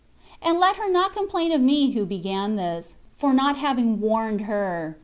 And let her not complain of me (who began this) — for not having warned her.